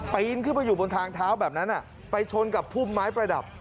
นขึ้นไปอยู่บนทางเท้าแบบนั้นไปชนกับพุ่มไม้ประดับ